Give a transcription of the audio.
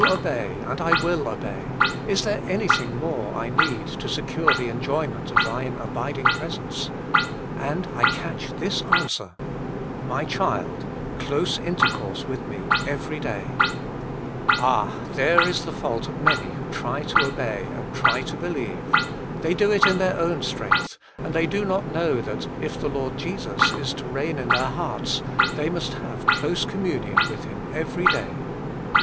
obey, and I will obey. Is there anything more I need to secure the enjoyment of Thine abiding presence ?" And I catch this answer : 60 Jesus Himself. ais^ cbflDt clo0e tntetcoutee wttb me Ah, there is the fault of many who try to obey and try to believe; they do it in their own strength, and they do not know that if the Lord Jesus is to reign in their hearts, they must have close communion with Him every day.